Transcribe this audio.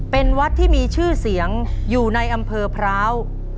เป็นวัดที่มีชื่อเสียงอยู่ในอำเภอพร้าว